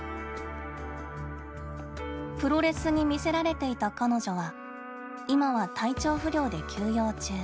プロレスに魅せられていた彼女は今は体調不良で休養中。